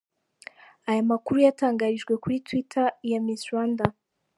Aya makuru yatangarijwe kuri Twitter ya Miss Rwanda.